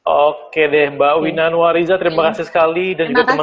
oke deh mbak wina nua riza terima kasih sekali dan juga teman teman dari nusa